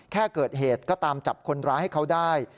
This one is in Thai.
แค่เกิดเหตุก็ตามจับคนร้ายให้เขาได้